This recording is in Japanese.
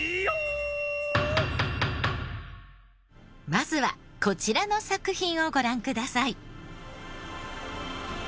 まずはこちらの作品をご覧ください。